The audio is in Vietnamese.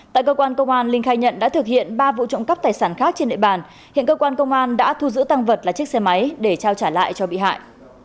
tại cơ quan công an linh khai nhận đã thực hiện ba vụ trộm cắp tài sản khác trên địa bàn hiện cơ quan công an đã thu giữ tăng vật là chiếc xe máy để trao trả lại cho bị hại